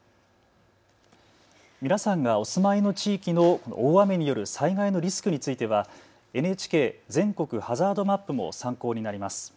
皆さんがお住まいの地域の大雨による災害のリスクについてはＮＨＫ全国ハザードマップも参考になります。